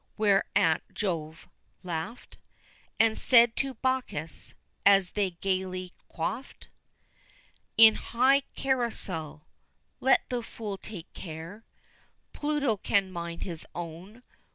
Whereat Jove laughed And said to Bacchus as they gaily quaffed In high carousal: "Let the fool take care, Pluto can mind his own.